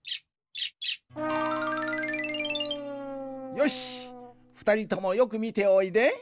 よしふたりともよくみておいで。